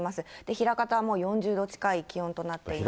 枚方はもう４０度近い気温になっていますね。